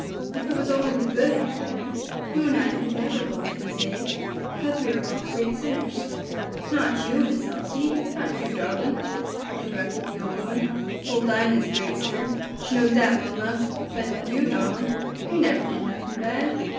If it was only the good, Aunt Dinah, you and I could never hope to be saved, because we are both great sinners." "Not you, Miss Elsie! not you, darlin'," interrupted the old woman; "ole Dinah's a great sinner, she knows dat well nuff but you, darlin', you never did nuffin bad."